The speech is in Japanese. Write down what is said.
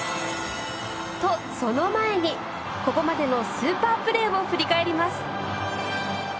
とその前にここまでのスーパープレーを振り返ります。